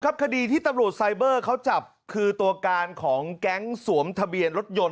คดีที่ตำรวจไซเบอร์เขาจับคือตัวการของแก๊งสวมทะเบียนรถยนต